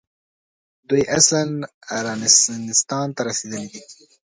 دوی اصلاً رنسانستان ته رسېدلي دي.